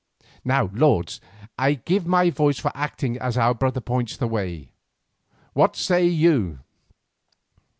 Now, lords, I give my voice for acting as our brother points the way. What say you?"